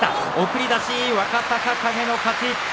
送り出し、若隆景の勝ち。